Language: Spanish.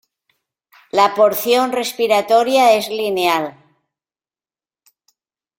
La porción respiratoria es lineal.